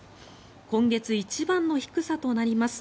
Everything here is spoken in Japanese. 今月一番の低さとなります。